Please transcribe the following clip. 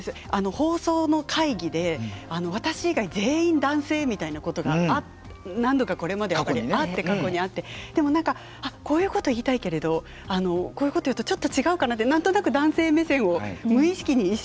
放送の会議で私以外全員男性みたいなことが何度かこれまで過去にあってでも何かあっこういうことを言いたいけれどもこういうことを言うとちょっと違うかなって何となく場の空気をね。